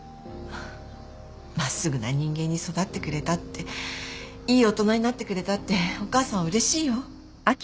真っすぐな人間に育ってくれたっていい大人になってくれたってお母さんはうれしいよ。